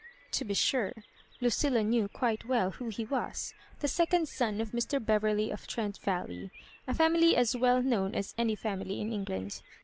To be sure, Lucilla knew quite well who he was, the second son of Mr. Beverley of Trent Valley, a family as well known as any family in England.